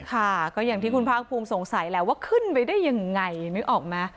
ค่ะก็อย่างที่คุณภาคภูมิสงสัยแหละว่าขึ้นไปได้ยังไงนึกออกไหม